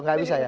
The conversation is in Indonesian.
nggak bisa ya